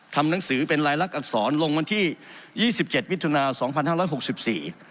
ทำหนังสือเป็นรายลักษณ์อักษรลงมาที่๒๗วิทยุนาส์๒๕๖๔